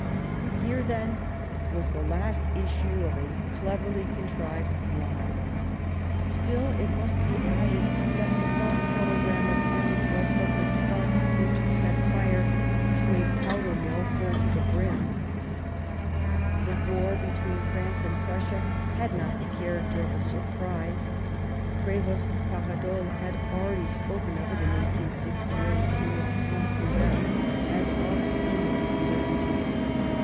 Here, then, was the last issue of a cleverly contrived lie. Still, it must be added that the false telegram of Ems was but the spark which set fire to a powder mill full to the brim. The war between France and Prussia had not the character of a surprise ; Prevost Paradol had already spoken of it in 1868, in La France nouvelle, as of imminent certainty.